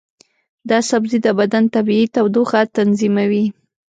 دا سبزی د بدن طبیعي تودوخه تنظیموي.